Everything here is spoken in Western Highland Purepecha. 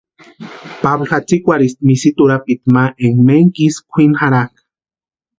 Pablu jatsïkwarhisti misitu urapiti ma énka ménku isï kwʼini jarhakʼa.